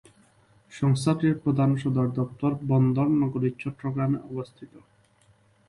সংস্থাটির প্রধান সদরদপ্তর বন্দর নগরী চট্টগ্রামে অবস্থিত।